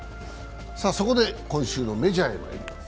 そこで今週のメジャーにまいります。